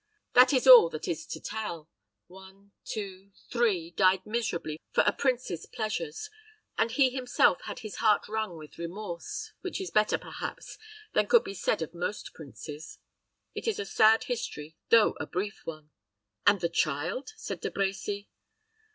That is all that is to tell. One two three, died miserably for a prince's pleasures; and he himself had his heart wrung with remorse, which is better, perhaps, than could be said of most princes. It is a sad history, though a brief one." "And the child?" said De Brecy.